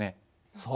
そう。